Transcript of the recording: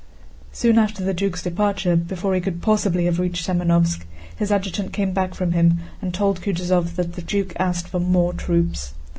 Soon after the duke's departure—before he could possibly have reached Semënovsk—his adjutant came back from him and told Kutúzov that the duke asked for more troops.